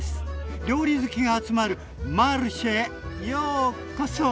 料理好きが集まるマルシェへようこそ！